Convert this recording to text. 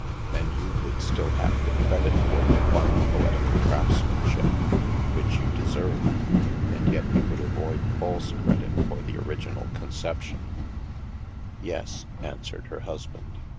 Then you would still have the credit for your fine poetical craftsmanship — which you deserve — and yet you would avoid false credit for the original concep tion/' " Yes/' answered her husband.